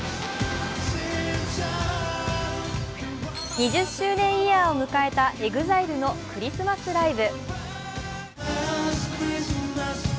２０周年イヤーを迎えたＥＸＩＬＥのクリスマスライブ。